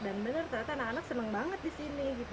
dan bener ternyata anak anak seneng banget di sini